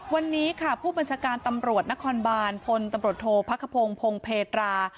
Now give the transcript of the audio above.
วันนี้ผู้บัญชการตำรวจนครบารพลโทพระครโพงเพรา